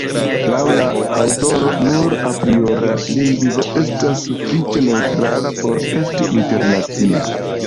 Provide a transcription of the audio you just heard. Laŭ la aŭtoro, nur apriora lingvo estas sufiĉe neŭtrala por esti internacia.